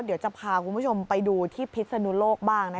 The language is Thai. เดี๋ยวจะพาคุณผู้ชมไปดูที่พิศนุโลกบ้าง